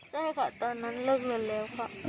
ใช่ค่ะตอนนั้นเลิกเรียนเร็วค่ะ